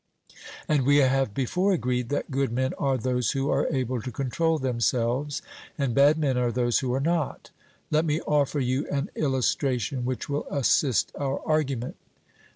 And we have before agreed that good men are those who are able to control themselves, and bad men are those who are not. Let me offer you an illustration which will assist our argument.